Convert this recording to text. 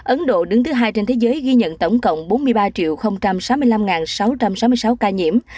ấn độ đứng thứ hai trên thế giới ghi nhận tổng cộng bốn mươi ba sáu mươi năm sáu trăm sáu mươi sáu ca nhiễm